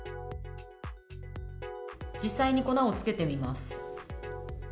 実際に粉をつけてみます。